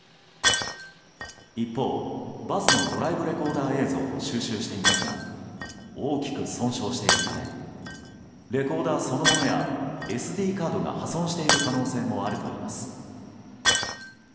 一方、バスのドライブレコーダー映像を収集していますが大きく損傷しているためレコーダーそのものやＳＤカードが破損している可能性もあるといいます。